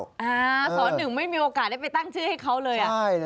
สหนึ่งไม่มีโอกาสได้ไปตั้งชื่อให้เขาเลย